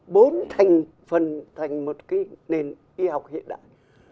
bốn thành phần thành một nền y học hiện đại